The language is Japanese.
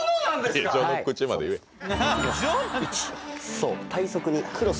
そう。